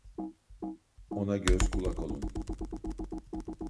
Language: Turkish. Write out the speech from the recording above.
Ona göz kulak olun.